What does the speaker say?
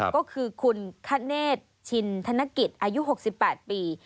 ก็คือคุณคเนธชินธนกิจอายุ๖๘ปี